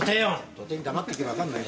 土手に黙って行けば分かるのよ。